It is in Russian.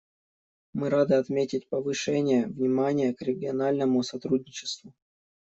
Мы рады отметить повышение внимания к региональному сотрудничеству.